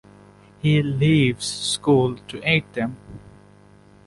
He leaves school to aid them.